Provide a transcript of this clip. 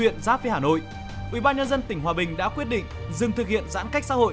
tp hcm đã quyết định dừng thực hiện giãn cách xã hội